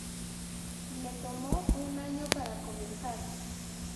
Le tomó un año para comenzar.